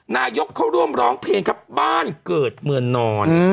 นายกเขาร่วมร้องเพลงครับบ้านเกิดเมืองนอน